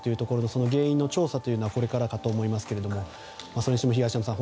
その原因の調査はこれからかと思いますがそれにしても東山さん